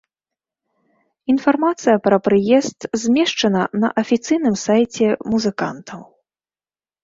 Інфармацыя пра прыезд змешчана на афіцыйным сайце музыкантаў.